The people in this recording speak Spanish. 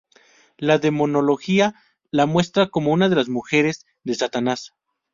La demonología la muestra como una de las mujeres de Satanás.